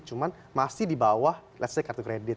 cuman masih di bawah let's say kartu kredit